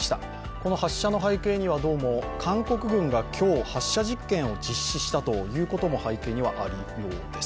この発射の背景にはどうも韓国軍が今日、発射実験を実施したということも背景にはあるようです。